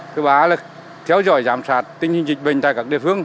thứ ba là theo dõi giám sát tình hình dịch bệnh tại các địa phương